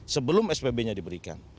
sebelum spb nya diberikan